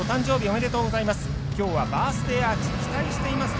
おめでとうございます。